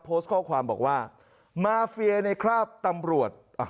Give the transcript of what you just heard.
โพสต์ข้อความบอกว่ามาเฟียในคราบตำรวจ